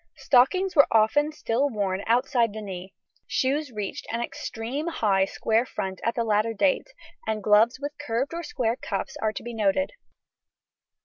Stockings were often still worn outside the knee. Shoes reached an extreme high square front at the latter date, and gloves with curved or square cuffs are to be noted.